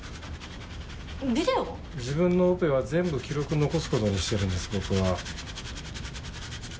自分のオペは全部記録に残す事にしてるんです僕は。